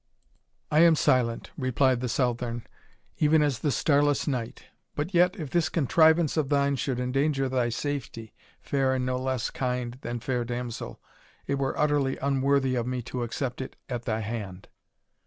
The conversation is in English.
"I am silent," replied the Southron, "even as the starless night but yet if this contrivance of thine should endanger thy safety, fair and no less kind than fair damsel, it were utterly unworthy of me to accept it at thy hand."